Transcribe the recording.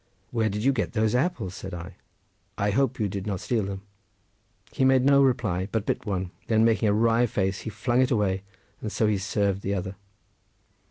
"Where did you get those apples?" said I; "I hope you did not steal them." He made no reply, but bit one, then making a wry face, he flung it away, and so he served the other.